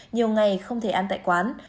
nhiều ngày không thể ăn tại quán